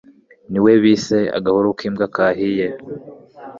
ni we bise agahuru k'imbwa kahiye